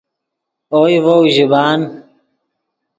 اوئے ڤؤ ژیبان